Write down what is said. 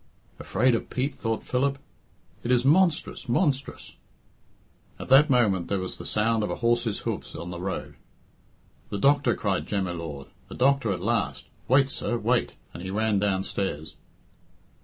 "Afraid of Pete!" thought Philip. "It is monstrous! monstrous!" At that moment there was the sound of a horse's hoofs on the road. "The doctor," cried Jem y Lord. "The doctor at last. Wait, sir, wait," and he ran downstairs.